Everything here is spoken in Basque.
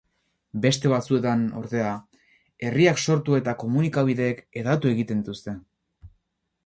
Beste batzuetan, ordea, herriak sortu eta komunikabideek hedatu egiten dituzte.